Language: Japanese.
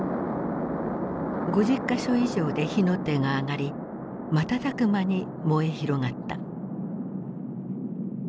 ５０か所以上で火の手が上がり瞬く間に燃え広がった。